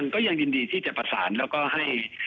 ก็ยังยินดีที่จะประสานแล้วก็ให้